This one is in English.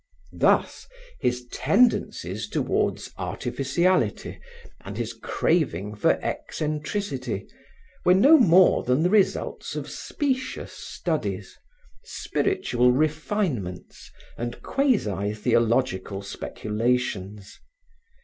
Thus, his tendencies towards artificiality and his craving for eccentricity, were no more than the results of specious studies, spiritual refinements and quasi theological speculations.